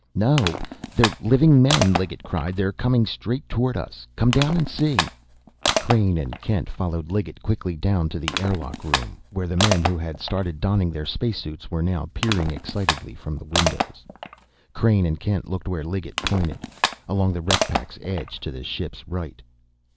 "No, they're living men!" Liggett cried. "They're coming straight toward us come down and see!" Crain and Kent followed Liggett quickly down to the airlock room, where the men who had started donning their space suits were now peering excitedly from the windows. Crain and Kent looked where Liggett pointed, along the wreck pack's edge to the ship's right.